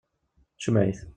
Jmeɛ-it.